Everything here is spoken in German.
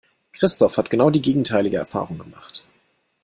Christoph hat genau die gegenteilige Erfahrung gemacht.